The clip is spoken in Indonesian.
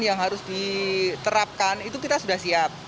yang harus diterapkan itu kita sudah siap